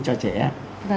cho trẻ em